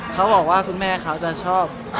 เขาบอกว่าคุณแม่เขาจะชอบ